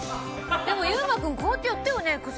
でも、優馬君くさいってやったよね。